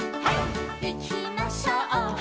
「いきましょう」